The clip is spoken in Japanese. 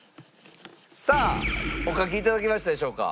さあお書き頂きましたでしょうか？